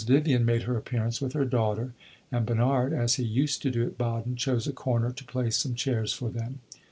Vivian made her appearance with her daughter, and Bernard, as he used to do at Baden, chose a corner to place some chairs for them.